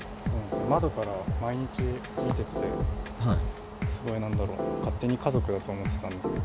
窓から毎日見てて、すごい、なんだろう、勝手に家族だと思ってたんですけど。